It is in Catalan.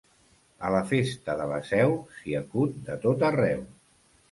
A la festa de la Seu s'hi acut de tot arreu.